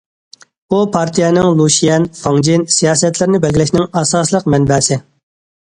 ئۇ پارتىيەنىڭ لۇشيەن، فاڭجېن، سىياسەتلىرىنى بەلگىلەشنىڭ ئاساسلىق مەنبەسى.